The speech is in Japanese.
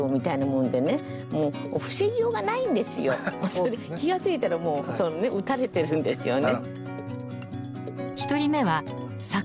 それで気が付いたらもう打たれてるんですよね。